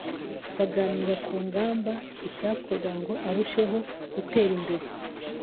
baganira ku ngamba n’icyakorwa ngo arusheho gutera imbere